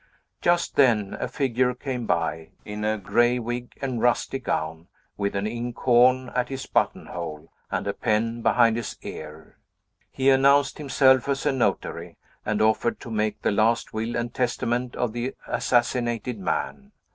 Just then, a figure came by, in a gray wig and rusty gown, with an inkhorn at his buttonhole and a pen behind his ear; he announced himself as a notary, and offered to make the last will and testament of the assassinated man.